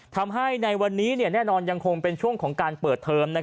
ทำให้ในวันนี้แน่นอนยังคงเป็นช่วงของการเปิดเทอม